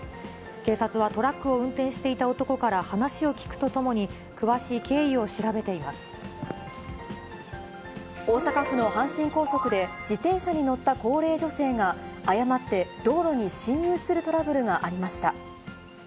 警察はトラックを運転していた男から話を聴くとともに、詳しい経大阪府の阪神高速で、自転車に乗った高齢女性が、誤って道路に進入するトラブルがありました。